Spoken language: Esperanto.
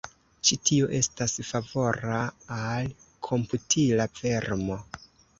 Ĉi tio estas favora al komputila vermo.